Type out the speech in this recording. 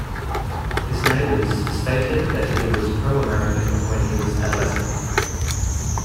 His neighbors stated that he was pro-American when he was adolescent.